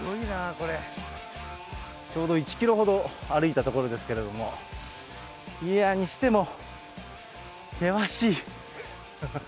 ちょうど１キロほど歩いたところですけれども、いや、にしても、険しい。